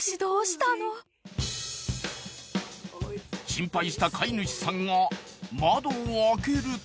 ［心配した飼い主さんが窓を開けると］